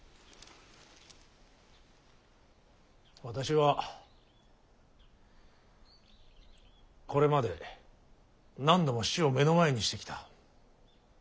私はこれまで何度も死を目の前にしてきた。